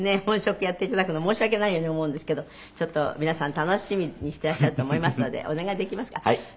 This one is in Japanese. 本職やっていただくの申し訳ないように思うんですけどちょっと皆さん楽しみにしてらっしゃると思いますのでお願いできますか。